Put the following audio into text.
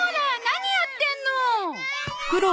何やってんの！